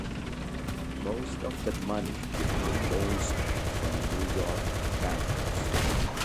Most of that money came from loans from New York bankers.